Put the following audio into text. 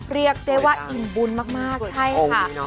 เรียกได้ว่าอิ่มบุญมากใช่ค่ะ